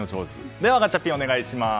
ではガチャピン、お願いします。